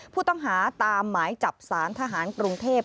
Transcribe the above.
ผู้ต้องหาตามหมายจับสารทหารกรุงเทพ